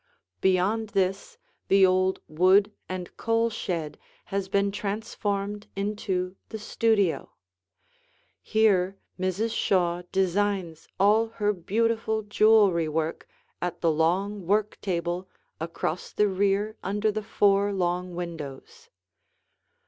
Beyond this, the old wood and coal shed has been transformed into the studio. Here Mrs. Shaw designs all her beautiful jewelry work at the long work table across the rear under the four long windows.